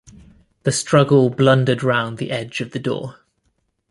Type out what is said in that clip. The struggle blundered round the edge of the door.